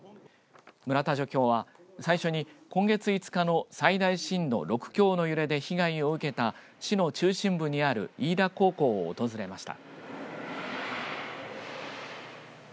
村田助教は最初に今月５日の最大震度６強の揺れで被害を受けた市の中心部にある飯田高校を訪れました。